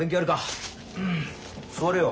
座れよ。